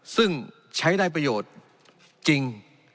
ซึ่งใช้ได้ประโยชน์จริง